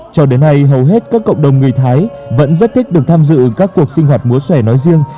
cho đến nay hầu hết các cộng đồng người thái vẫn rất thích được tham dự các cuộc sinh hoạt múa xòe nói riêng